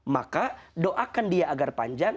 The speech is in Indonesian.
maka doakan dia agar panjang